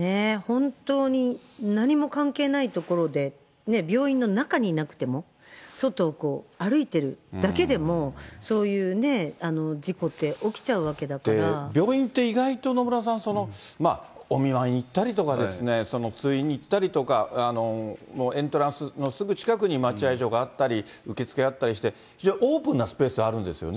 本当に何も関係ないところで病院の中にいなくても、外歩いてるだけでも、そういうね、事故って起きちゃうわ病院って、意外と野村さん、お見舞いに行ったりとか、通院に行ったりとか、エントランスのすぐ近くに待ち合い所があったり、受付あったりして、非常にオープンなスペースではあるんですよね。